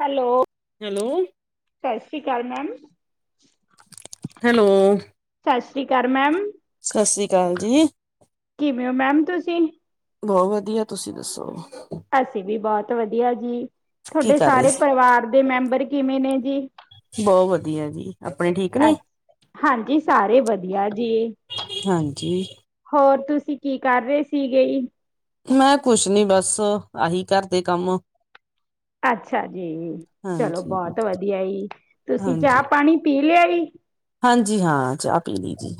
Hello! Hello! ਸਤਿ ਸ਼੍ਰੀ ਅਕਾਲ ਮੈਮ! ਹੈਲੋ! ਸਤਿ ਸ਼੍ਰੀ ਅਕਾਲ ਮੈਮ! ਸਤਿ ਸ੍ਰੀ ਅਕਾਲ ਜੀ! ਕਿਵੇਂ ਹੋ ਮੈਮ ਤੁਸੀਂ? ਬਹੁਤ ਵਧੀਆ ਤੁਸੀਂ ਦੱਸੋ। ਅਸੀਂ ਵੀ ਬਹੁਤ ਵਧੀਆ ਜੀ ਕੀ ਤੁਹਾਡੇ ਕਰ ਰਹੇ ਸਾਰੇ ਸੀ ਪਰਿਵਾਰ ਦੇ ਮੈਂਬਰ ਕਿਵੇਂ ਨੇ ਜੀ। ਬਹੁਤ ਵਧੀਆ। ਜੀ ਆਪਣੇ ਠੀਕ। ਅ ਨੇ ਹਾਂਜੀ! ਸਾਰੇ ਵਧੀਆ ਜੀ। ਹਾਂਜੀ! ਹੋਰ ਤੁਸੀਂ ਕੀ ਕਰ ਰਹੇ ਸੀਗੇ ਜੀ? ਮੈਂ ਕੁਛ ਨੀ ਬਸ ਆਹੀ ਘਰ ਦੇ ਕੰਮ। ਅੱਛਾ ਜੀ! ਚਲੋ ਹਾਂਜੀ ਬੋਤ ਵਧੀਆ ਈ ਤੁਸੀਂ ਹਾਂਜੀ ਚਾਹ-ਪਾਨੀ ਪੀ ਲਿਆ ਈ। ਹਾਂਜੀ, ਹਾਂ, ਚਾ ਪੀ ਲਈ ਜੀ।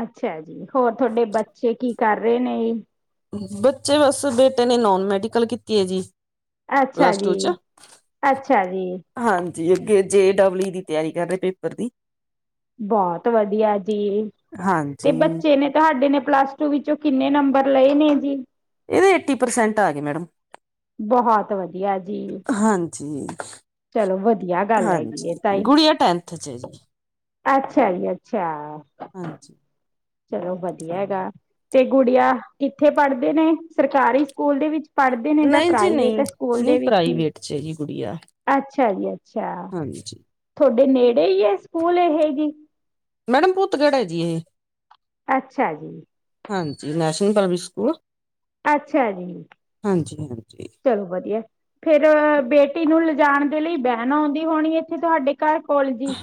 ਅੱਛਾ ਜੀ! ਹੋਰ ਤੁਆਡੇ ਬੱਚੇ ਕੀ ਕਰ ਰੇ ਨੇ? ਬੱਚੇ ਬਸ ਬੇਟੇ ਨੇ ਨੋਨ-ਮੈਡੀਕਲ ਕੀਤੀ ਐ ਜੀ‌। ਅੱਛਾ ਜੀ, ਅੱਛਾ ਜੀ। ਹਾਂਜੀ, ਅੱਗੇ ਜੇ ਡਬਲੀ ਦੀ ਤਿਆਰੀ ਕਰ ਰੇ ਪੇਪਰ ਦੀ। ਬੌਤ ਵਦੀਆ ਜੀ ਹਾਂਜੀ ਤੇ ਬੱਚੇ ਨੇ ਤੁਆਡੇ ਨੇ ਪਲੱਸ ਟੂ ਵਿੱਚੋਂ ਕਿੰਨੇ ਨੰਬਰ ਲਏ ਨੇ ਜੀ? ਏਦੇ ਏਟੀ ਪਰਸੈਂਟ ਆ ਗਏ ਮੈਡਮ ਬਹੁਤ ਵਧੀਆ ਜੀ, ਹਾਂਜੀ। ਚਲੋ ਵਧੀਆ ਗੱਲ ਹੈਗੀ ਏ ਹਾਂਜੀ, ਤਾਈ। ਗੁੜੀਆ ਟੈਂਥ ਚ ਜੀ‌। ਅੱਛਾ ਜੀ ਅੱਛਾ। ਹਾਂਜੀ। ਚਲੋ ਵਦੀਆ ਐਗਾ ਤੇ ਗੁੜੀਆ ਕਿੱਥੇ ਪੜਦੇ ਨੇ ਸਰਕਾਰੀ ਸਕੂਲ ਦੇ ਵਿੱਚ ਪੜਦੇ ਨੇ ਜਾਂ ਨਹੀਂ ਜੀ ਨਹੀਂ ਪ੍ਰਾਈਵੇਟ ਸਕੂਲ ਨਹੀਂ ਦੇ ਵਿਚ ਈ, ਪ੍ਰਾਈਵੇਟ ਚ ਹੈ ਜੀ ਗੁੜੀਆ ਅੱਛਾ ਜੀ ਅੱਛਾ। ਹਾਂਜੀ। ਤੁਆਡੇ ਨੇੜੇ ਈ ਐ ਸਕੂਲ ਏਹ ਜੀ। ਮੈਡਮ ਭੂਤਗੜ ਐ ਜੀ ਏਹ। ਅੱਛਾ ਜੀ। ਹਾਂਜੀ, ਨੈਸ਼ਨਲ ਪਬਲਿਕ ਸਕੂਲ। ਅੱਛਾ ਜੀ। ਹਾਂਜੀ-ਹਾਂਜੀ। ਚਲੋ ਵਦੀਆ। ਫੇਰ ਬੇਟੀ ਨੂੰ ਲਜਾਨ ਦੇ ਲਈ ਬੈਨ ਆਉਂਦੀ ਹੋਨੀ ਏੱਥੇ ਤੁਆਡੇ ਘਰ ਕੋਲ ਜੀ?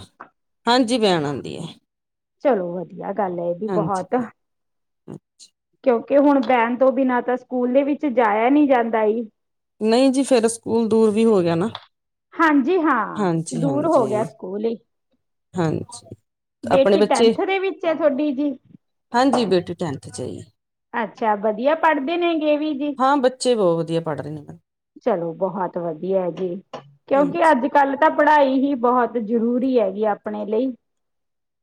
ਹਾਂਜੀ ਵੈਣ ਆਂਦੀ ਏ। ਚਲੋ ਵਦੀਆ ਗੱਲ ਐ ਏ ਵੀ ਹਾਂਜੀ ਬਹੋਤ। ਕਿਉਂਕਿ ਹੁਨ ਬੈਨ ਤੋਂ ਬਿਨਾਂ ਤਾਂ ਸਕੂਲ ਦੇ ਵਿੱਚ ਜਾਇਆ ਨੀ ਜਾਂਦਾ ਈ। ਨਈ ਜੀ ਫੇਰ ਸਕੂਲ ਦੂਰ ਵੀ ਹੋ ਗਿਆ ਨਾ। ਹਾਂਜੀ ਹਾਂ, ਹਾਂਜੀ ਦੂਰ ਹੋ ਹਾਂਜੀ ਗਿਆ ਸਕੂਲ ਈ। ਹਾਂਜੀ ਆਪਣੇ ਬੇਟੀ ਬੱਚੇ ਟੈਂਥ ਦੇ ਵਿੱਚ ਐ ਤੁਆਡੀ ਜੀ। ਹਾਂਜੀ ਬੇਟੀ ਟੈਂਥ ਚ ਹੈਈ। ਅੱਛਾ ਵਦੀਆ ਪੜਦੇ ਨੇਗੇ ਵੀ। ਵੀ ਹਾਂ ਬੱਚੇ ਬਹੁਤ ਵਧੀਆ ਪੜ੍ਹ ਰਹੇ ਨੇ ਮੈਮ ਚਲੋ ਬਹੋਤ ਵਦੀਆ ਜੀ, ਕਿਉਂਕਿ ਹਾਂਜੀ ਆੱਜ ਕੱਲ ਤਾਂ ਪੜਾਈ ਹੀ ਬੋਹਤ ਜ਼ਰੂਰੀ ਐਗੀ ਅਪਨੇ ਲਈ।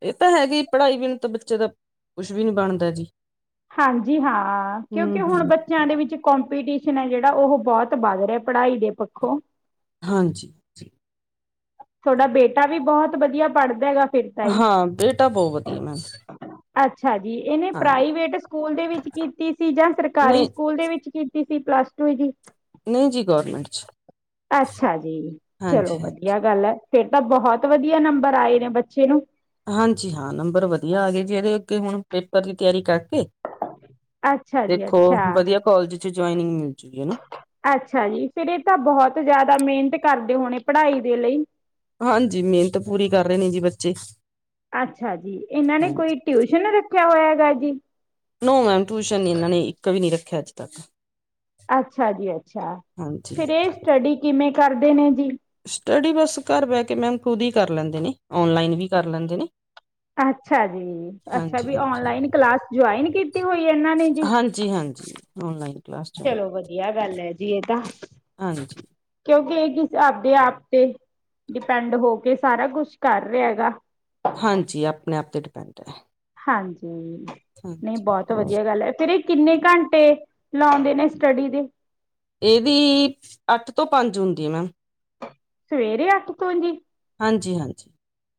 ਏ ਤਾਂ ਹੈਗੀ ਪੜਾਈ ਬੀਨ ਤਾਂ ਬੱਚੇ ਦਾ ਕੁੱਛ ਵੀ ਨੀ ਬਨਦਾ ਜੀ ਹਾਂਜੀ ਹਾਂ ਕਿਉਂਕਿ ਹੂੰ ਹੁਨ ਹੂੰ ਬੱ ਚੇਆਂ ਦੇ ਵਿੱਚ ਕੋਂਪੀਟੀਸ਼ਨ ਐ ਜੇੜਾ ਓ‌ ਬੋਤ ਬੱਧ ਰਿਆ ਪੜਾਈ ਦੇ ਪੱਖੋਂ। ਹਾਂਜੀ। ਤੁਆਡਾ ਬੇਟਾ ਵੀ ਬੋਹਤ ਬਦੀਆ ਪੜਦਾ ਹੈਗਾ। ਫਿਰ ਤਾਂ ਈ। ਹਾਂ, ਬੇਟਾ ਬੋ ਵਦੀਆ ਮੈਮ। ਅੱਛਾ ਜੀ, ਏਨੇ ਹਾਂਜੀ ਪ੍ਰਾਈਵੇਟ ਸਕੂਲ ਦੇ ਵਿੱਚ ਕੀਤੀ ਸੀ ਜਾਂ ਸਰਕਾਰੀ ਨਹੀਂ ਸਕੂਲ ਦੇ ਵਿੱਚ ਕੀਤੀ ਸੀ ਪਲੱਸ ਟੂ ਜੀ, ਨਹੀਂ ਜੀ ਗਵਰਮੈਂਟ ਚ ਅੱਛਾ ਜੀ, ਹਾਂਜੀ ਚਲੋ ਵਦੀਆ ਗੱਲ ਐ ਫੇਰ ਤਾਂ ਬੋਹਤ ਵਦੀਆ ਨੰਬਰ ਆਏ ਨੇ ਬੱਚੇ ਨੂੰ। ਹਾਂਜੀ ਹਾਂ, ਨੰਬਰ ਵਦੀਆ ਆ ਗਏ ਜੀ ਏਦੇ ਅੱਗੇ ਹੁਨ ਪੇਪਰ ਦੀ ਤਿਆਰੀ ਕਰਕੇ। ਅੱਛਾ ਜੀ ਦੇਖੋ ਅੱਛਾ ਵਦੀਆ ਕੋਲਜ ਚ ਜੁਆਇਨਿੰਗ ਮਿਲ ਚੁਗੀ ਐਨਾ। ਅੱਛਾ ਜੀ ਫੇਰ ਇਹ ਤਾਂ ਬਹੁਤ ਜ਼ਿਆਦਾ ਮਿਹਨਤ ਕਰਦੇ ਹੋਣੇ ਪੜਾਈ ਦੇ ਲਈ ਹਾਂਜੀ ਮਿਹਨਤ ਪੂਰੀ ਕਰ ਰੇ ਨੇ ਜੀ ਬੱਚੇ। ਅੱਛਾ ਜੀ ਇਹਨਾਂ ਨੇ ਕੋਈ ਹਾਂਜੀ ਟਿਊਸ਼ਨ ਰੱਖਿਆ ਹੋਇਆ ਹੈਗਾ ਜੀ। ਨੋ ਮੈਮ ਟਿਊਸ਼ਨ ਨੀ ਇਹਨਾਂ ਨੇ ਇੱਕ ਵੀ ਨੀ ਰੱਖਿਆ ਅੱਜ ਤੱਕ। ਅੱਛਾ ਜੀ ਅੱਛਾ ਹਾਂਜੀ ਫਿਰ ਇਹ ਹਾਂਜੀ ਸਟੱਡੀ ਕਿਵੇਂ ਕਰਦੇ ਨੇ ਜੀ। ਸਟੱਡੀ ਬਸ ਘਰ ਬਹਿ ਕੇ ਮੈਮ ਖੁਦ ਹੀ ਕਰ ਲੈਂਦੇ ਨੇ ਔਨਲਾਈਨ ਵੀ ਕਰ ਲੈਂਦੇ ਨੇ ਅੱਛਾ ਜੀ ਅੱਛਾ ਹਾਂਜੀ ਵੀ ਹਾਂਜੀ ਔਨਲਾਈਨ ਕਲਾਸ ਜੁਆਇਨ ਕੀਤੀ ਹੋਈ ਹੈ ਇਹਨਾਂ ਨੇ ਜੀ ਜੀ ਹਾਂਜੀ ਔਨਲਾਈਨ ਕਲਾਸ ਜੁਆਇਨ ਚਲੋ ਵਧੀਆ ਗੱਲ ਐ ਜੀ ਇਹ ਤਾਂ। ਹਾਂਜੀ ਕਿਉਂਕਿ ਇਹ ਚੀਜ਼ ਆਪਦੇ ਆਪ ਤੇ ਡਿਪੈਂਡ ਹੋ ਕੇ ਸਾਰਾ ਕੁੱਛ ਕਰ ਰਿਹਾ ਹੈਗਾ ਹਾਂਜੀ ਆਪਣੇ ਆਪ ਤੇ ਡਿਪੈਂਡ ਐ। ਹਾਂਜੀ ਨਹੀਂ ਬਹੁਤ ਹੋਰ ਵਧੀਆ ਗੱਲ ਐ ਫਿਰ ਵੀ ਕਿੰਨੇ ਘੰਟੇ ਲਾਉਂਦੇ ਨੇ ਸਟੱਡੀ ਦੇ ਇਹਦੀ ਅੱਠ ਤੋਂ ਪੰਜ ਹੁੰਦੀ ਹੈ ਮੈਮ ਸਵੇਰੇ ਅੱਠ ਤੋਂ ਜੀ ਹਾਂਜੀ ਹਾਂਜੀ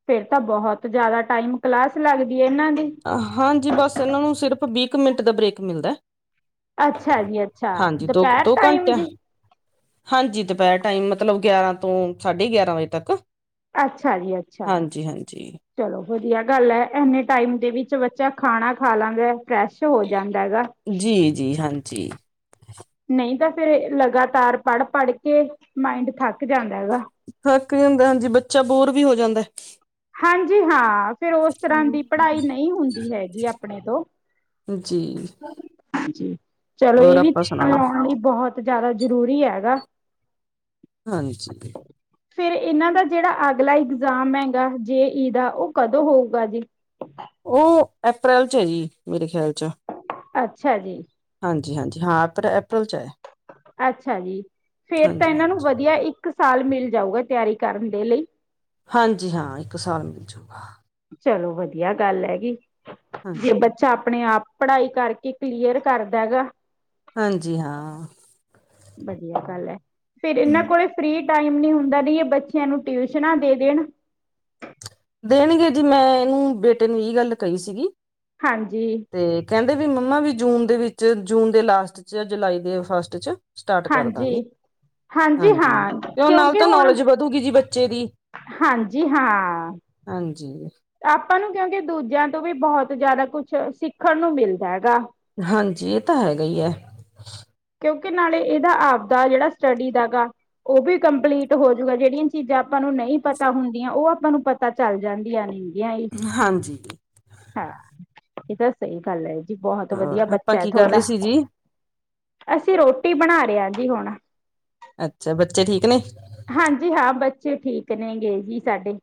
ਫੇਰ ਤਾਂ ਬਹੁਤ ਜ਼ਿਆਦਾ ਟਾਈਮ ਕਲਾਸ ਲੱਗਦੀ ਹੈ ਇਹਨਾਂ ਦੀ ਹਾਂਜੀ ਬਸ ਇਹਨਾਂ ਨੂੰ ਸਿਰਫ਼ ਵੀਹ ਕ ਮਿੰਟ ਦਾ ਬ੍ਰੇਕ ਮਿਲਦੈ। ਅੱਛਾ ਜੀ ਅੱਛਾ ਦੋ ਦੁਪਹਿਰ ਦੋ ਟਾਈਮ ਘੰਟੇ ਜੀ ਹਾਂਜੀ ਦੁਪਹਿਰ ਟਾਈਮ ਮਤਲਬ ਗਿਆਰਾਂ ਤੋਂ ਸਾਢੇ ਗਿਆਰਾਂ ਵਜੇ ਤੱਕ। ਅੱਛਾ ਜੀ ਅੱਛਾ ਹਾਂਜੀ ਹਾਂਜੀ ਚਲੋ ਵਧੀਆ ਗੱਲ ਐ ਐਂਨੇ ਟਾਈਮ ਦੇ ਵਿੱਚ ਬੱਚਾ ਖਾਣਾ ਖਾ ਲਾਂਗਾ ਫਰੈਸ਼ ਹੋ ਜਾਂਦਾ ਹੈਗਾ। ਜੀ ਜੀ ਹਾਂਜੀ ਨਹੀਂ ਤਾਂ ਫੇਰ ਲਗਾਤਾਰ ਪੜ੍ਹ ਪੜ੍ਹ ਕੇ ਮਾਇੰਡ ਥੱਕ ਜਾਂਦਾ ਹੈਗਾ। ਥਕ ਜਾਂਦਾ ਹਾਂਜੀ ਬੱਚਾ ਬੋਰ ਵੀ ਹੋ ਜਾਂਦੈ। ਹਾਂਜੀ ਹਾਂ ਫਿਰ ਉਸ ਤਰ੍ਹਾਂ ਦੀ ਪੜ੍ਹਾਈ ਹਮ ਨਈ ਹੁੰਦੀ ਹੈਗੀ ਆਪਣੇ ਤੋਂ। ਜੀ [unintelligible] ਜ ਚਲੋ ਹੋਰ ਇਹ ਵੀ ਆਪਾਂ ਧਿਆਨ ਸੁਣਾਓ ਲਾਉਣ ਲਈ ਬਹੁਤ ਜਾਦਾ ਜਰੂਰੀ ਹੈਗਾ। ਹਾਂਜੀ ਫੇਰ ਇਹਨਾਂ ਦਾ ਜਿਹੜਾ ਅਗਲਾ ਇਗਜ਼ਾਮ ਹੈਗਾ ਜੇ ਈ ਦਾ ਉਹ ਕਦੋਂ ਹੋਊਗਾ ਜੀ ਉਹ ਅਪ੍ਰੈਲ ਚ ਹੈ ਜੀ ਮੇਰੇ ਖਿਆਲ ਚ ਅੱਛਾ ਜੀ ਹਾਂਜੀ ਹਾਂਜੀ ਹਾਂ ਅਪ੍ਰ ਅਪ੍ਰੈਲ 'ਚ ਹੈ। ਅੱਛਾ ਜੀ ਫੇਰ ਤਾਂ ਹਾਂਜੀ ਇਹਨਾਂ ਨੂੰ ਹਾਂਜੀ ਵਧੀਆ ਇੱਕ ਸਾਲ ਮਿਲ ਜਾਊਗਾ ਤਿਆਰੀ ਕਰਨ ਦੇ ਲਈ। ਹਾਂਜੀ ਹਾਂ ਇੱਕ ਸਾਲ ਮਿਲ ਜੂਗਾ। ਚਲੋ ਵਧੀਆ ਗੱਲ ਹੈਗੀ ਹਾਂ ਜੇ ਬੱਚ ਚਾ ਆਪਣੇ ਆਪ ਪੜ੍ਹਾਈ ਕਰਕੇ ਕਲੀਅਰ ਕਰਦਾ ਹੈ ਗਾ। ਹਾਂਜੀ ਹਾਂ ਵਧੀਆ ਗੱਲ ਐ ਫੇਰ ਇਹਨਾਂ ਕੋਲ ਫਰੀ ਟਾਈਮ ਨੀ ਹੁੰਦਾ ਬਹੀਏ ਬੱਚਿਆਂ ਨੂੰ ਟਿਊਸ਼ਨਾਂ ਦੇ ਦੇਣ ਦੇਣਗੇ ਜੀ ਮੈਂ ਇਹਨੂੰ ਬੇਟੇ ਨੂੰ ਇਹ ਗੱਲ ਕਹੀ ਸੀਗੀ। ਹਾਂਜੀ ਤੇ ਕਹਿੰਦੇ ਵੀ ਮੰਮਾ ਵੀ ਜੂਨ ਦੇ ਵਿੱਚ ਜੂਨ ਦੇ ਲਾਸਟ 'ਚ ਜੁਲਾਈ ਦੇ ਫਸਟ 'ਚ ਸਟਾਰਟ ਹਾਂਜੀ, ਕਰਦਾਂਗੇ, ਹਾਂਜੀ। ਹਾਂ ਤੇ ਓ ਨਾਲ ਕਿਉਂਕਿ ਤਾਂ ਹੁਣ ਨੌਲੇਜ ਵਧੂਗੀ ਜੀ ਬੱਚੇ ਦੀ। ਹਾਂਜੀ ਹਾਂ। ਹਾਂਜੀ। ਆਪਾਂ ਨੂੰ ਕਿਉਂਕਿ ਦੂਜਿਆਂ ਤੋਂ ਵੀ ਬਹੁਤ ਜਾਦਾ ਕੁਛ ਸਿੱਖਣ ਨੂੰ ਮਿਲਦਾ ਹੈਗਾ। ਹਾਂਜੀ ਏ ਤਾਂ ਹੈਗਾ ਈ ਐ। ਕਿਉਂਕਿ ਨਾਲੇ ਏਦਾ ਆਪਦਾ ਜੇੜਾ ਸਟੱਡੀ ਦਾ ਗਾ - ਓ ਵੀ ਕੰਪਲੀਟ ਹੋਜੂਗਾ, ਜੇੜੀਆਂ ਚੀਜ਼ਾਂ ਆਪਾਂ ਨੂੰ ਨਈ ਪਤਾ ਹੁੰਦੀਆਂ ਓ ਆਪਾਂ ਨੂੰ ਪਤਾ ਚੱਲ ਜਾਂਦੀਆਂ ਨੇ। ਯਾ ਈ, ਹਾਂਜੀ ਹਾਂ ਏ ਤਾਂ ਸਈ ਗੱਲ ਐ। ਜੀ ਬਹੁਤ ਵਧੀਆ ਹੋਰ ਆਪਾਂ ਬੱਚਾ ਹੈ ਕੀ ਕਰ ਰਹੇ ਤੁਆਡਾ। ਸੀ ਜੀ ਅਸੀਂ ਰੋਟੀ ਬਣਾ ਰੇ ਆ ਜੀ ਹੁਣ। ਅੱਛਾ, ਬੱਚੇ ਠੀਕ ਨੇ? ਹਾਂਜੀ ਹਾਂ, ਬੱਚੇ ਠੀਕ ਨੇ ਗੇ ਜੀ ਸਾਡੇ।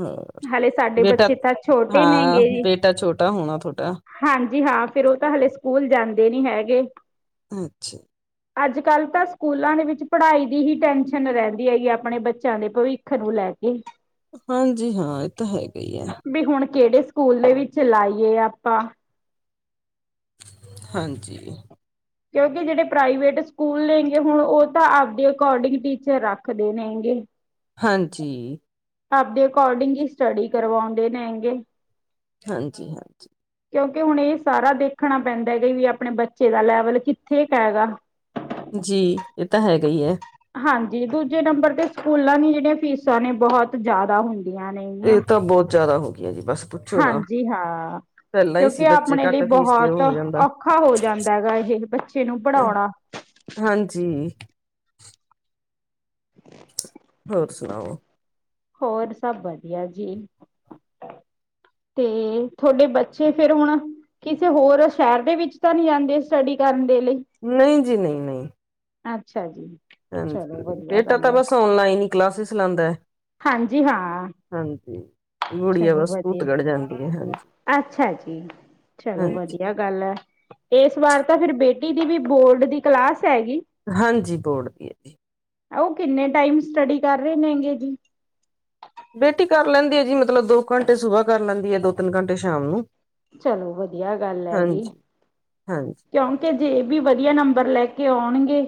ਹਾਂ ਹਲੇ ਸਾਡੇ ਬੇਟਾ ਬੱਚੇ ਤਾਂ ਛੋਟੇ ਹਾਂ ਨੇਗੇ। ਬੇਟਾ ਛੋਟਾ ਹੋਣਾ ਤੁਹਾਡਾ ਹਾਂਜੀ ਹਾਂ, ਫੇਰ ਓ ਤਾਂ ਹਲੇੇ ਸਕੂਲ ਜਾਂਦੇ ਨੀ ਹੈਗੇ। ਅੱਛਾ। ਅੱਜ ਕੱਲ੍ਹ ਤਾਂ ਸਕੂਲਾਂ ਦੇ ਵਿੱਚ ਪੜ੍ਹਾਈ ਦੀ ਹੀ ਟੈਸ਼ਨ ਰੈਂਦੀ ਹੈਗੀ ਅਪਣੇ ਬੱਚਿਆਂ ਦੇ ਭਵਿੱ ਖ ਨੂੰ ਲੈ ਕੇ। ਹਾਂਜੀ ਹਾਂ, ਏ ਤਾਂ ਹੈਗਾ ਹੀ ਐ। ਵੀ ਹੁਣ ਕੇੜੇ ਸਕੁ ਸਕੂਲ ਦੇ ਵਿੱਚ ਲਾਈਏ ਆਪਾਂ। ਹਾਂਜੀ। ਕਿਉਂਕਿ ਜੇੜੇ ਪ੍ਰਾਈਵੇਟ ਸਕੂਲ ਨੇਗੇ ਹੁਣ ਓ ਤਾਂ ਆਪਦੇ ਅਕੋਰਡਿੰਗ ਟੀਚਰ ਰੱਖਦੇ ਨੇਗੇ। ਹਾਂਜੀ। ਆਪਦੇ ਅਕੋਰਡਿੰਗ ਈ ਸਟੱਡੀ ਕਰਵਾਉਂਦੇ ਨੇ ਹੈਗੇ। ਹਾਂਜੀ- ਹਾਂਜੀ। ਕਿਉਂਕਿ ਹੁਣ ਏ ਸਾਰਾ ਦੇਖਣਾ ਪੈਂਦਾ ਐ ਕਿ ਵੀ ਆਪਣੇ ਬੱਚੇ ਦਾ ਲੈਵਲ ਕਿੱਥੇ ਕ ਹੈਗਾ। ਜੀ, ਏ ਤਾਂ ਹੈਗਾ ਈ ਐ। ਹਾਂਜੀ, ਦੂਜੇ ਨੰਬਰ ਤੇ ਸਕੂਲਾਂ ਦੀ ਜੇੜੀਆਂ ਫੀਸਾਂ ਨੇ ਬਹੁਤ ਜਾਦਾ ਹੁੰਦੀ। ਏ ਤਾਂ ਬਹੁਤ ਜਾਦਾ ਹੋਗੀਆਂ ਜੀ ਬਸ ਪੁੱਛੋ ਨਾ ਹਾਂਜੀ, ਹਾਂ। ਪਹਿਲਾਂ ਹੀ ਸੀ ਕਿਉਂਕਿ ਬੱਚੇ ਅਪਣੇ ਲਈ ਘੱਟ ਫੀਸ ਤੇ ਬਹੁਤ ਉਹ ਹੋ ਜਾਂਦਾ ਔਖਾ ਹੋ ਜਾਂਦਾ ਹੈਗਾ ਇਹ ਬੱਚੇ ਨੂੰ ਪੜ੍ਹਾਉਣਾ। ਹਾਂਜੀ। ਹੋਰ ਸੁਣਾਓ? ਹੋਰ ਸਭ ਵਧੀਆ ਜੀ। ਤੇ ਤੁਆਡੇ ਬੱਚੇ ਫੇਰ ਹੁਣ ਕਿਸੇ ਹੋਰ ਸ਼ਹਿਰ ਦੇ ਵਿੱਚ ਤਾਂ ਨੀ ਜਾਂਦੇ, ਸਟੱਡੀ ਕਰਨ ਦੇ ਲਈ? ਨਈ ਜੀ, ਨਈ-ਨਈ। ਅੱਛਾ ਜੀ। ਹਾਂਜੀ, ਚਲੋ ਵਧੀਆ ਬੇਟਾ ਗੱਲ ਤਾਂ ਹੈ ਬਸ ਔਨਲਾਈਨ ਈ ਕਲਾਸਿਸ ਲਾਂਦੈ। ਹਾਂਜੀ ਹਾਂ। ਹਾਂਜੀ। ਗੁੜੀਆ ਚਲੋ ਬਸ ਵਧੀਆ ਏ। ਭੂਤਗੜ ਜਾਂਦੀ ਹੈ ਹਾਂਜੀ ਅੱਛਾ ਜੀ, ਚਲੋ ਹਾਂਜੀ ਵਧੀਆ। ਗੱਲ ਐ। ਏਸ ਵਾਰ ਤਾਂ ਫਿਰ ਬੇਟੀ ਦੀ ਵੀ ਬੋਰਡ ਦੀ ਕਲਾਸ ਹੈਗੀ। ਹਾਂਜੀ, ਬੋਰਡ ਦੀ ਐ ਜੀ। ਓ ਕਿੰਨੇ ਟਾਈਮ ਸਟੱਡੀ ਕਰ ਰੇ ਨੇਂਗੇ ਜੀ। ਬੇਟੀ ਕਰ ਲੈਂਦੀ ਹੈ ਜੀ ਮਤਲਬ ਦੋ ਘੰਟੇ ਸੁਬਹ ਕਰ ਲੈਂਦੀ ਹੈ ਦੋ ਤਿੰਨ ਘੰਟੇ ਸ਼ਾਮ ਨੂੰ ਚਲੋ ਵਧੀਆ ਗੱਲ ਹੈਗੀ ਹਾਂਜੀ ਹਾਂਜੀ ਕਿਉਂਕਿ ਜੇ ਇਹ ਵੀ ਵਧੀਆ ਨੰਬਰ ਲੈ ਕੇ ਆਉਣਗੇ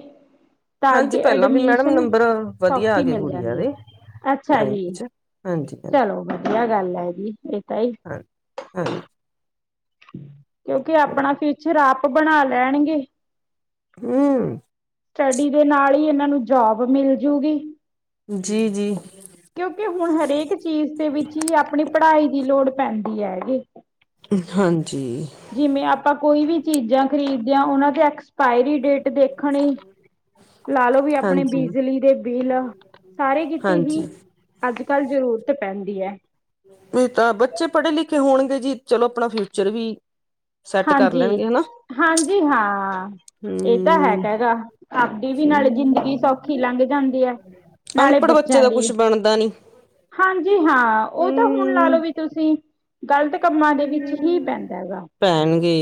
ਤਾਂ ਅੱਗੇ ਹਾਂਜੀ ਪਹਿਲਾਂ ਵੀ ਮੈਡਮ ਏਡਮਿਸ਼ਨ ਨੰਬਰ ਵਧੀਆ ਆ ਸੌਖੀ ਗਏ ਮਿਲ ਗੁੜੀਆ ਜਾਂਦੀ ਦੇ ਹੈ ਅੱਛਾ ਜੀ ਨਾਈਨਥ ਚ ਹਾਂਜੀ ਹਾਂਜੀ ਚਲੋ ਵਧੀਆ ਗੱਲ ਹੈ ਜੀ ਇਹ ਤਾਂ ਹੀ ਹਾਂ ਕਿਉਂਕਿ ਆਪਣਾ ਫਿਊਚਰ ਆਪ ਬਣਾ ਲੈਣਗੇ ਹਮ ਸਟੱਡੀ ਦੇ ਨਾਲ ਹੀ ਇਹਨਾਂ ਨੂੰ ਜੋਬ ਮਿਲਜੂਗੀ ਜੀ ਜੀ ਕਿਉਂਕਿ ਹੁਣ ਹਰੇਕ ਚੀਜ਼ ਦੇ ਵਿੱਚ ਹੀ ਆਪਣੀ ਪੜ੍ਹਾਈ ਦੀ ਲੋੜ ਪੈਂਦੀ ਹੈਗੀ ਹਾਂਜੀ ਜਿਵੇਂ ਆਪਾਂ ਕੋਈ ਵੀ ਚੀਜ਼ਾਂ ਖਰੀਦਦੇ ਹਾਂ ਉਹਨਾਂ ਦੇ ਐਕਸਪਾਇਰੀ ਡੇਟ ਦੇਖਣੀ ਲਾ ਲੋ ਵੀ ਆਪਣੇ ਹਾਂਜੀ ਬਿਜਲੀ ਦੇ ਬਿੱਲ ਸਾਰੇ ਕੀਤੇ ਹੀ ਹਾਂਜੀ ਅੱਜ ਕੱਲ੍ਹ ਜ਼ਰੂਰਤ ਪੈਂਦੀ ਹੈ ਨਹੀਂ ਤਾਂ ਬੱਚੇ ਪੜ੍ਹੇ ਲਿਖੇ ਹੋਣਗੇ ਜੀ ਚਲੋ ਆਪਣਾ ਫਿਊਚਰ ਵੀ ਸੈੱਟ ਕਰ ਹਾਂਜੀ ਲੈਣਗੇ ਹਨਾ ਹਾਂਜੀ ਹਾਂ ਇਹ ਤਾਂ ਹਮ ਹੈਗਾ ਹੈਗਾ ਆਪਦੀ ਵੀ ਨਾਲ ਜ਼ਿੰਦਗੀ ਸੌਖੀ ਲੰਘ ਜਾਂਦੀ ਹੈ ਨਾਲੇ ਅਨਪੜ੍ਹ ਬੱਚੇ ਬੱਚਿਆਂ ਦਾ ਦੀ ਕੁੱਝ ਬਣਦਾ ਨਹੀਂ ਹਾਂਜੀ ਹਾਂ ਉਹ ਤਾਂ ਹੁਣ ਲਾ ਲੋ ਵੀ ਤੁਸੀਂ ਗ਼ਲਤ ਕੰਮਾਂ ਦੇ ਵਿੱਚ ਹੀ ਪੈਂਦਾ ਹੈਗਾ ਪੈਣ ਗੇ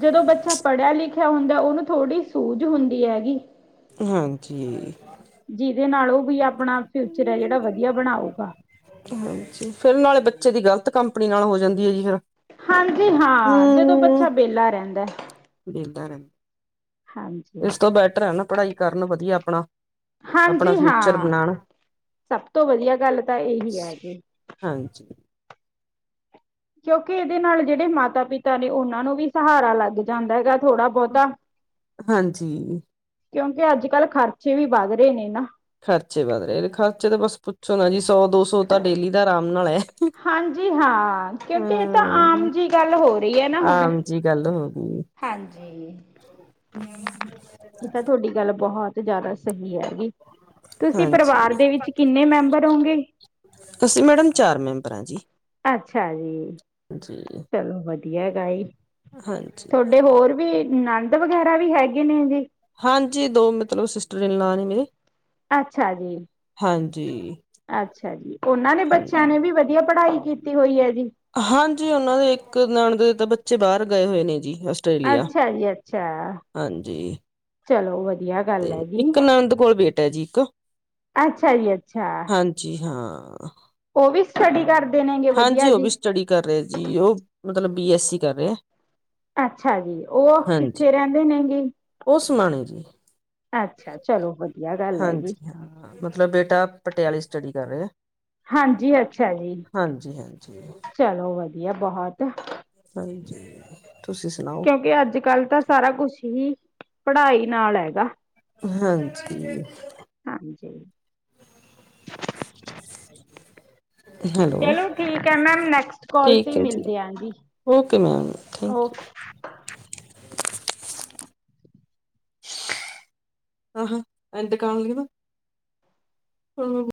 ਜਦੋਂ ਬੱਚਾ ਪੜ੍ਹਿਆ ਲਿਖਿਆ ਹੁੰਦਾ ਉਹਨੂੰ ਥੋੜ੍ਹੀ ਸੂਝ ਹੁੰਦੀ ਹੈਗੀ ਹਾਂਜੀ ਜਿਹਦੇ ਨਾਲ ਉਹ ਵੀ ਆਪਣਾ ਫਿਊਚਰ ਹੈ ਜਿਹੜਾ ਵਧੀਆ ਬਣਾਉਗਾ ਹਾਂਜੀ ਫੇਰ ਨਾਲੇ ਬੱਚੇ ਦੀ ਗ਼ਲਤ ਕੰਪਨੀ ਨਾਲ ਹੋ ਜਾਂਦੀ ਹੈ ਜੀ ਫਿਰ ਹਾਂਜੀ ਹਾਂ ਜਦੋਂ ਹਮ ਬੱਚਾ ਵੇਹਲਾ ਰਹਿੰਦਾ ਵੇਹਲਾ ਰਹਿੰਦਾ ਹਾਂਜੀ। ਇਸ ਤੋਂ ਬੈਟਰ ਹੈ ਨਾ ਪੜ੍ਹਾਈ ਕਰਨ ਵਧੀਆ ਆਪਣਾ ਹਾਂਜੀ ਆਪਣਾ ਫਿਊਚਰ ਹਾਂ ਬਣਾਉਣ ਸਭ ਤੋਂ ਵਧੀਆ ਗੱਲ ਤਾਂ ਇਹੀ ਹੈ ਜੀ ਹਾਂਜੀ ਕਿਉਂਕਿ ਇਹਦੇ ਨਾਲ ਜਿਹੜੇ ਮਾਤਾ-ਪਿਤਾ ਨੇ ਉਹਨਾਂ ਨੂੰ ਵੀ ਸਹਾਰਾ ਲੱਗ ਜਾਂਦਾ ਹੈਗਾ ਥੋੜ੍ਹਾ ਬਹੁਤਾ ਹਾਂਜੀ ਕਿਉਂਕਿ ਅੱਜ ਕੱਲ ਖਰਚੇ ਵੀ ਵੱਧ ਰਹੇ ਨੇ ਨਾ ਖਰਚੇ ਵੱਧ ਰਹੇ ਨੇ ਖਰਚੇ ਤੇ ਬਸ ਪੁੱਛੋ ਨਾ ਜੀ ਸੌ ਦੋ ਸੌ ਤੁਹਾਡੇ ਲਈ ਤਾ ਆਰਾਮ ਨਾਲ ਹੈ ਹਾਂਜੀ ਹਾਂ ਕਿਉਂਕਿ ਇਹ ਤਾਂ ਹੂੰ ਆਮ ਜਿਹੀ ਗੱਲ ਹੋ ਰਹੀ ਹੈ ਨਾ ਹੁਣ ਆਮ ਜੀ ਗੱਲ ਹੋ ਗਈ ਏ ਹਾਂਜੀ ਇਹ ਤਾਂ ਤੁਹਾਡੀ ਗੱਲ ਬਹੁਤ ਜ਼ਿਆਦਾ ਸਹੀ ਹੈਗੀ ਤੁਸੀਂ ਪਰਿਵਾਰ ਹਾਂਜੀ ਦੇ ਵਿੱਚ ਕਿੰਨੇ ਮੈਂਬਰ ਹੋਂਗੇ ਅਸੀਂ ਮੈਡਮ ਚਾਰ ਮੈਂਬਰ ਆਂ ਜੀ ਅੱਛਾ ਜੀ ਜੀ ਚਲੋ ਵਧੀਆ ਹੈਗਾ ਏ ਹਾਂਜੀ ਤੁਹਾਡੇ ਹੋਰ ਵੀ ਨੰਦ ਵਗੈਰਾ ਵੀ ਹੈਗੇ ਨੇ ਜੀ ਹਾਂਜੀ ਦੋ ਮਤਲਬ ਸਿਸਟਰ ਇਨ ਲਾ ਨੇ ਮੇਰੇ ਅੱਛਾ ਜੀ ਹਾਂਜੀ ਅੱਛਾ ਜੀ ਉਹਨਾਂ ਨੇ ਹਾਂ ਬੱਚਿਆਂ ਨੇ ਵੀ ਵ [unintelligible] ਪੜ੍ਹਾਈ ਕੀਤੀ ਹੋਈ ਹੈ ਜੀ ਹਾਂਜੀ ਓਨਾਂ ਦੇ ਇੱਕ ਨਨਾਣ ਦੇ ਤਾਂ ਬੱਚੇ ਬਾਹਰ ਗਏ ਹੋਏ ਨੇ ਜੀ, ਅਸ ਟ੍ਰੇਲੀਆ ਅੱਛਾ ਜੀ ਅੱਛਾ ਹਾਂਜੀ। ਚਲੋ ਵਧੀਆ ਗੱਲ ਤੇ ਹੈ ਜੀ ਇੱਕ ਨੰਦ ਕੋਲ ਬੇਟਾ ਜੀ ਇੱਕ। ਅੱਛਾ ਜੀ ਅੱਛਾ। ਹਾਂਜੀ ਹਾਂ। ਓ ਵੀ ਸਟੱਡੀ ਕਰ ਹਾਂਜੀ ਓ ਵੀ ਸਟੱਡੀ ਕਰ ਰਿਆ ਜੀ, ਓ ਮਤਲਬ ਬੀ ਐਸ ਸੀ ਕਰ ਰਿਐ। ਅੱਛਾ ਜੀ, ਓ ਕਿੱਥੇ ਰੈਂਦੇ ਨੇ ਜੀ? ਉਹ ਸਮਾਣੇ ਜੀ ਅੱਛਾ! ਚਲੋ ਵਧੀਆ ਗੱਲ ਐ ਜੀ। ਹਾਂਜੀ ਹਾਂ ਮਤਲਬ ਬੇਟਾ ਪਟਿਆਲੇ ਸਟੱਡੀ ਕਰ ਰਿਐ। ਹਾਂਜੀ ਅੱਛਾ ਜੀ ਹਾਂਜੀ, ਹਾਂਜੀ। ਚਲੋ ਵਧੀਆ ਬਹੁਤ। ਹਾਂਜੀ ਤੁਸੀਂ ਸੁਣਾਓ? ਬਈ ਅੱਜ-ਕੱਲ ਤਾਂ ਸਾਰਾ ਕੁਛ ਹੀ ਪੜ੍ਹਾਈ ਨਾਲ ਹੈਗਾ। ਹਾਂਜੀ। [inaudible] ਹਾਂਜੀ ਹੈਲੋ ਚਲੋ ਠੀਕ ਐ ਮੈਮ, ਨੈਕਸਟ ਕਾਲ ਤੇ ਠੀਕ ਹੈ ਮਿਲਦੇ ਆਂ ਜੀ। Okay ma'am thank okay you. ਆਹਾਂ, ਐਂਡ ਕਾਲ [unintelligible]